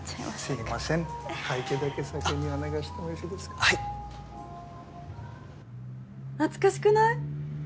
すいません会計だけ先にお願いしてもよろしいですかはい懐かしくない？